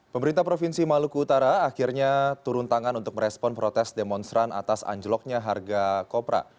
pemerintah provinsi maluku utara akhirnya turun tangan untuk merespon protes demonstran atas anjloknya harga kopra